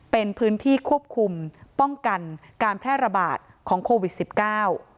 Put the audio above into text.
เป็นพื้นที่ควบคุมป้องกันการแพร่ระบาดของโควิดสิบเก้า